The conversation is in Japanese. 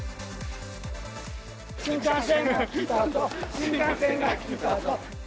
新幹線が来たぞ、新幹線が来たぞ。